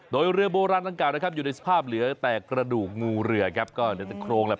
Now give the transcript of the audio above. โดยเรือโบราณทั้งกลางนะครับอยู่ในสภาพเหลือแต่กระดูกงูเหลือครับ